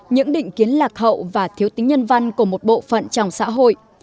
những định kiến lạc hậu và thiếu tính nhân văn của một bộ phận trong xã hội